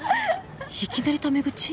いきなりタメ口？